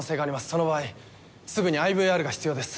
その場合すぐにＩＶＲが必要です。